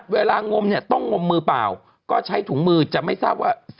งมเนี่ยต้องงมมือเปล่าก็ใช้ถุงมือจะไม่ทราบว่า